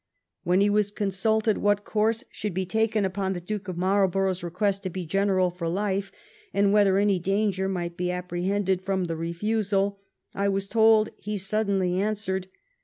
When he was consulted what course should be taken upon the Duke of Marlbor ough's request to be general for life ; and whether any danger might be apprehended from the refusal ; I was told, he suddenly answered.